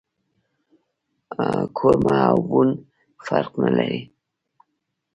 کورمه او بوڼ فرق نه لري